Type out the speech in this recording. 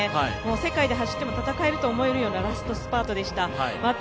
世界で走っても戦えると思えるようなラストスパートでした。